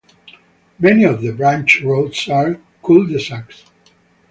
Many of the branch roads are cul-de-sacs.